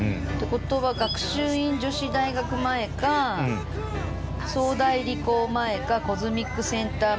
事は学習院女子大学前か早大理工前かコズミックセンター